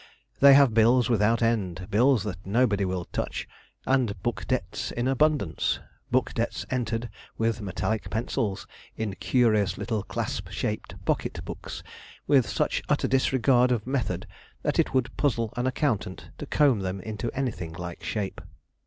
They have bills without end bills that nobody will touch, and book debts in abundance book debts entered with metallic pencils in curious little clasped pocket books, with such utter disregard of method that it would puzzle an accountant to comb them into anything like shape.